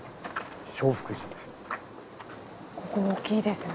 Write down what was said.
ここ大きいですね。